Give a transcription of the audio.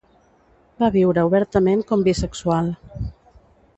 Va viure obertament com bisexual.